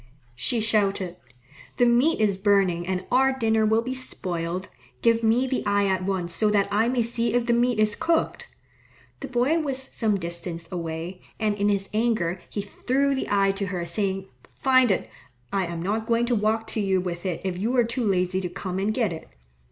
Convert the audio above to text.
She shouted, "The meat is burning and our dinner will be spoiled. Give me the eye at once, so that I may see if the meat is cooked." The boy was some distance away, and in his anger he threw the eye to her, saying, "Find it. I am not going to walk to you with it if you are too lazy to come and get it."